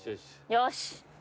よし。